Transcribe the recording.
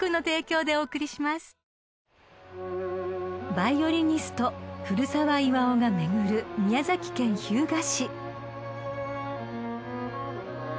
［ヴァイオリニスト古澤巖が巡る宮崎県日向市］